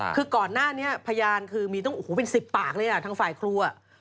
คือก่อนหน้านี้พยานคือมีต้องโอ้โหเป็น๑๐ปากเลยทางฝ่ายครู